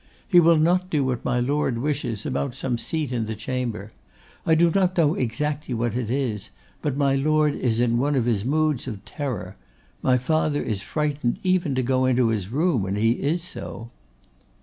He will not do what my Lord wishes, about some seat in the Chamber. I do not know exactly what it is; but my Lord is in one of his moods of terror: my father is frightened even to go into his room when he is so.